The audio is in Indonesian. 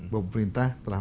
bahwa pemerintah telah